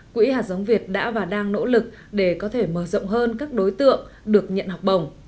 quỹ hạt giống việt đã và đang nỗ lực để có thể mở rộng hơn các đối tượng được nhận học bổng